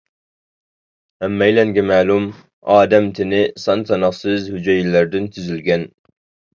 ھەممەيلەنگە مەلۇم، ئادەم تېنى سان-ساناقسىز ھۈجەيرىلەردىن تۈزۈلگەن.